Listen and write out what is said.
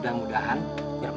lo enggak usah pikirin itu